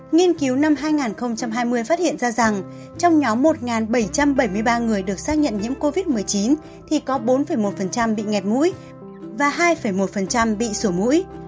nghiên cứu năm hai nghìn hai mươi phát hiện ra rằng trong nhóm một bảy trăm bảy mươi ba người được xác nhận nhiễm covid một mươi chín thì có bốn một bị ngẹt mũi và hai một bị sổ mũi